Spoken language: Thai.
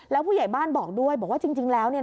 แล้วผู้ใหญ่บ้านบอกด้วยบอกว่าจริงแล้ว